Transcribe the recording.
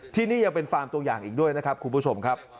ที่นี่ยังเป็นฟาร์มตัวอย่างอีกด้วยนะครับคุณผู้ชมครับ